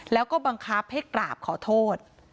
แล้วก็บังคับให้กราบขอโทษ